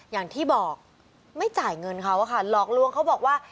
อย่างที่บอกไม่จ่ายเงินเขาค่ะหลอกลวงเขาบอกว่า